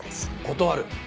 断る。